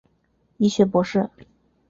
医学博士。